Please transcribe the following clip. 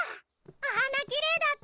お花きれいだった！